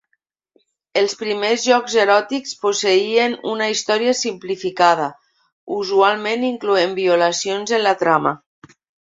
Els primers jocs eròtics posseïen una història simplificada, usualment incloent violacions en la trama.